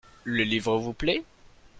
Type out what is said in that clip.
Le livre vous plait ?